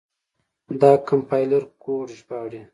دا کمپایلر کوډ ژباړي.